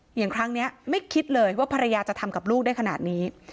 อย่างครั้งนี้ไม่คิดเลยว่าภรรยาจะทำกับลูกได้ขนาดนี้